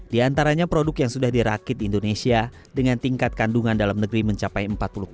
di antaranya produk yang sudah dirakit di indonesia dengan tingkat kandungan dalam negeri mencapai empat puluh tujuh